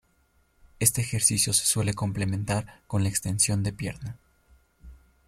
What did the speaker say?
Este ejercicio se suele complementar con la extensión de pierna.